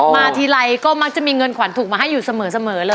มาทีไรก็มักจะมีเงินกว่านถูกไหมให้อยู่เสมอเลย